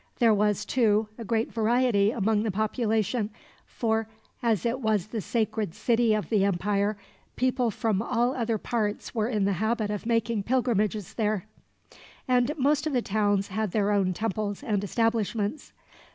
There was, too, a great variety among the population; for, as it was the sacred city of the empire, people from all other parts were in the habit of making pilgrimages there, and most of the towns had their own temples and establishments.